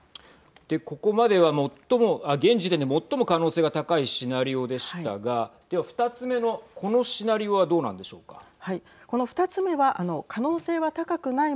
ここまでは現時点で最も可能性が高いシナリオでしたがでは、２つ目のこのシナリオははい。